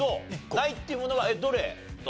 ないっていうものはどれ？